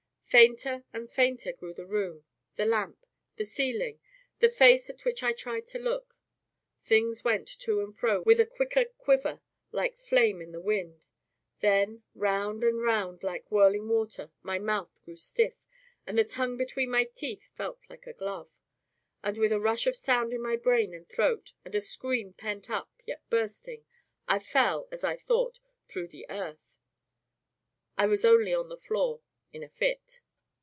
Fainter and fainter grew the room, the lamp, the ceiling, the face at which I tried to look. Things went to and fro with a quicker quiver, like flame in the wind, then, round and round like whirling water; my mouth grew stiff, and the tongue between my teeth felt like a glove; and with a rush of sound in my brain and throat, and a scream pent up, yet bursting, I fell, as I thought, through the earth. I was only on the floor, in a fit.